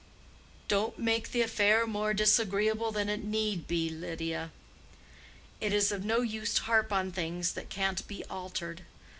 "Don't make the affair more disagreeable than it need be. Lydia. It is of no use to harp on things that can't be altered.